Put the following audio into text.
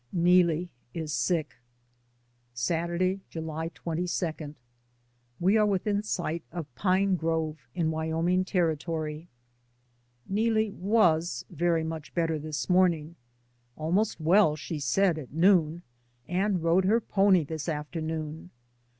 NEELIE IS SICK. Saturday, July 22. We are within sight of Pine Grove in Wyoming Territory. Neelie was very much better this morn ing; almost well, she said at noon, and rode DAYS ON THE ROAD. 165 her pony this afternoon.